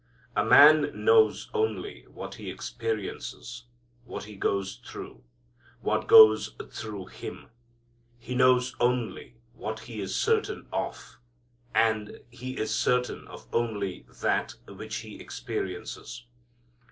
A man knows only what he experiences; what he goes through; what goes through him. He knows only what he is certain of. And he is certain of only that which he experiences.